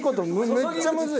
めっちゃむずい！